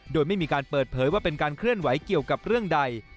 โดยไม่มีการเปิดเผยว่าเป็นการเคลื่อนไหวเกี่ยวกับเรื่องใด